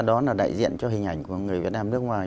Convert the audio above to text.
đó là đại diện cho hình ảnh của người việt nam nước ngoài